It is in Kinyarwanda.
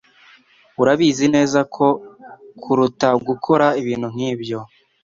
Urabizi neza kuruta gukora ibintu nkibyo